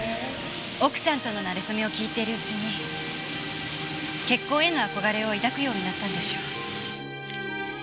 奥さんとの馴れ初めを聞いているうちに結婚への憧れを抱くようになったんでしょう。